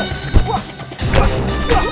lex anak spider tuh